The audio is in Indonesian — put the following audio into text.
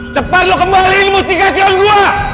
cepat lu kembalikan mustikasion gua